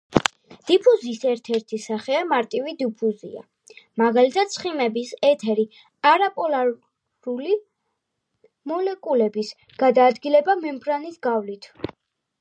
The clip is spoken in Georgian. დიფუზიის ერთ-ერთი სახეა მარტივი დიფუზია. მაგალითად ცხიმების, ეთერი, არაპოლარული მოლეკულების გადაადგილება მემბრანის გავლით.